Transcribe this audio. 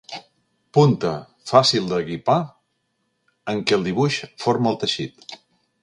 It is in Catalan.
Punta, fàcil de guipar, en què el dibuix forma el teixit.